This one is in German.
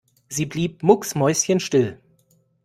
Sie blieb mucksmäuschenstill.